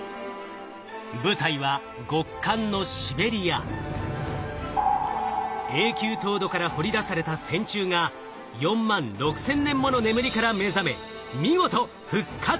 舞台は極寒の永久凍土から掘り出された線虫が４万６千年もの眠りから目覚め見事復活したのです。